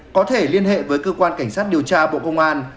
có thể liên hệ với cơ quan cảnh sát điều tra bộ công an